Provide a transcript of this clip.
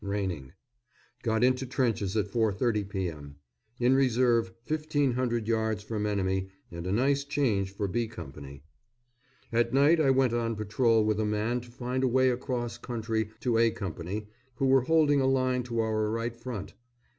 Raining. Got into trenches at 4.30 p.m. In reserve, 1500 yards from enemy and a nice change for B Co. At night I went on patrol with a man to find a way across country to A Co., who were holding a line to our right front.